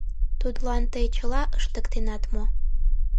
— Тудлан тый чыла ыштыктынет мо?